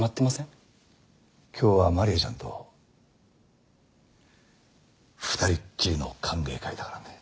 今日はまりあちゃんと２人きりの歓迎会だからね。